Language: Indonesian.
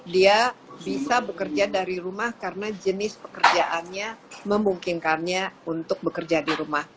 dia bisa bekerja dari rumah karena jenis pekerjaannya memungkinkannya untuk bekerja di rumah